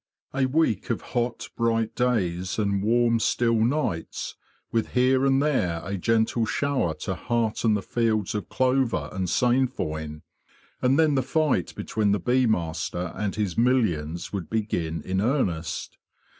A week of hot bright days and warm still nights, with here and there a gentle shower to hearten the fields of clover and sainfoin; and then the fight between the bee master and his millions would begin in earnest.